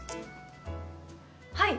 はい。